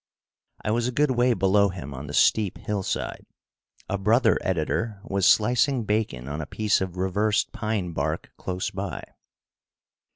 I was a good way below him on the steep hillside. A brother editor was slicing bacon on a piece of reversed pine bark close by.